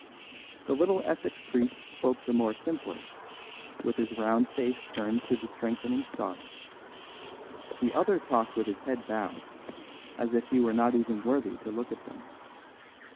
The little Essex priest spoke the more simply, with his round face turned to the strengthening stars; the other talked with his head bowed, as if he were not even worthy to look at them.